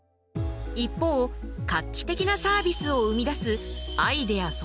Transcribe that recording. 一方画期的なサービスを生み出すアイデア